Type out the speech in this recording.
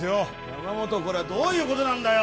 山本これはどういうことなんだよ！